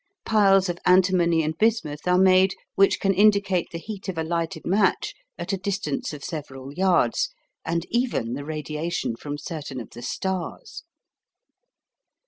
Piles of antimony and bismuth are made which can indicate the heat of a lighted match at a distance of several yards, and even the radiation from certain of the stars.